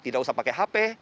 tidak usah pakai